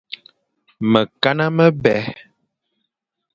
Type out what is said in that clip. Mekana mebè.